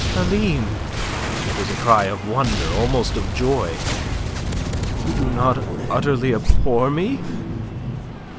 "Aline!" It was a cry of wonder, almost of joy. "You do not utterly abhor me!"